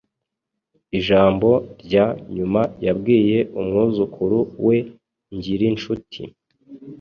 Ijambo rya nyuma yabwiye umwuzukuru we Ngirincuti